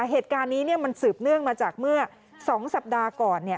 เหตุการณ์นี้มันสืบเนื่องมาจากเมื่อ๒สัปดาห์ก่อน